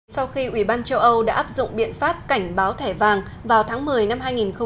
sau khi ủy ban châu âu đã áp dụng biện pháp cảnh báo thẻ vàng vào tháng một mươi năm hai nghìn một mươi chín